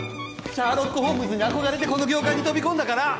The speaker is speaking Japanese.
シャーロック・ホームズに憧れてこの業界に飛び込んだから！